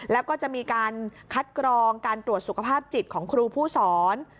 แล้วก็จะมีการคัดกรองการตรวจสุขภาพจิตของครูผู้สอน